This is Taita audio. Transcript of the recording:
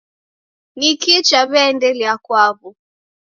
Nikii chaw'iaendelia kwaw'o?